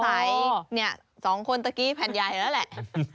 สัยเนี่ยสองคนเมื่อกี้แพนใหญ่แล้วแหละ